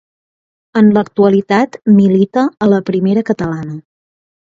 En l'actualitat milita a la Primera Catalana.